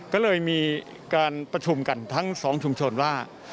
ก็เลยมีการประชุมกันทั้งสองชุมชนว่า